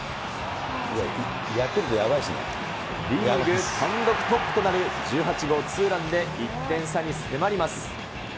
リーグ単独トップとなる１８号ツーランで１点差に迫ります。